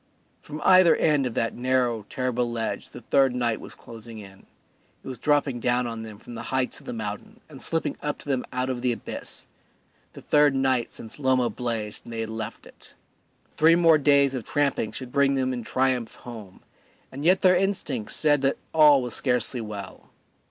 From either end of that narrow, terrible ledge the third night was closing in; it was dropping down on them from the heights of the mountain and slipping up to them out of the abyss, the third night since Loma blazed and they had left it. Three more days of tramping should bring them in triumph home, and yet their instincts said that all was scarcely well.